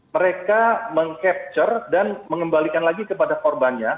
mereka meng capture dan mengembalikan lagi kepada korbannya